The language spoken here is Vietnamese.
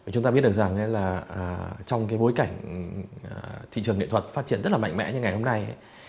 chúng ta biết được rằng trong bối cảnh thị trường nghệ thuật phát triển rất mạnh mẽ như ngày hôm nay